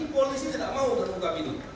polisi tidak mau terbuka ini